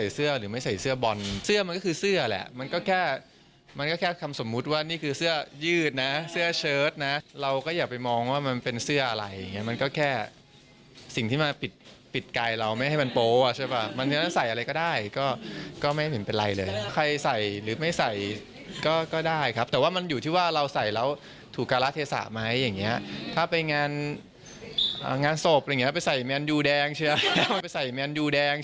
เสื้อมันก็คือเสื้อแหละมันก็แค่มันก็แค่คำสมมุติว่านี่คือเสื้อยืดนะเสื้อเชิ้ตนะเราก็อย่าไปมองว่ามันเป็นเสื้ออะไรมันก็แค่สิ่งที่มาปิดปิดไกลเราไม่ให้มันโป๊ะใช่ป่ะมันจะใส่อะไรก็ได้ก็ก็ไม่มีเป็นไรเลยใครใส่หรือไม่ใส่ก็ก็ได้ครับแต่ว่ามันอยู่ที่ว่าเราใส่แล้วถูกการละเทศะไหมอย่างเงี้ย